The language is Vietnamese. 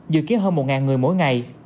dự kiến hơn một người mỗi ngày